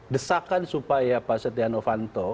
desakan supaya pak setihan ovanto